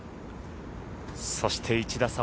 そして１打差